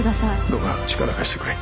どうか力貸してくれ。